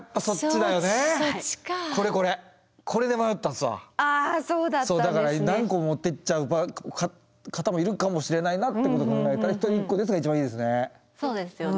だから何個も持ってっちゃう方もいるかもしれないなってこと考えたら「一人１個です」が一番いいですね。